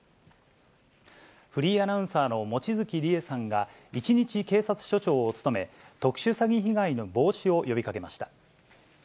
フリーアナウンサーの望月理恵さんが一日警察署長を務め、特殊詐欺被害の防止を呼びかけました。